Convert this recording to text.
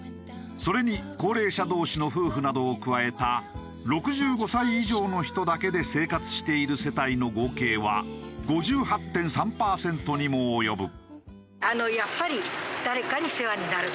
それに高齢者同士の夫婦などを加えた６５歳以上の人だけで生活している世帯の合計は５８．３パーセントにも及ぶ。